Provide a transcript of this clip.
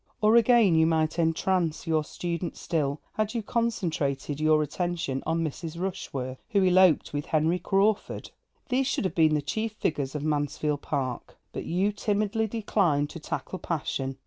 Or again, you might entrance your students still, had you concentrated your attention on Mrs. Rushworth, who eloped with Henrv Crawford. These should have been the chief figures of 'Mansfield Park.' But you timidly decline to tackle Passion.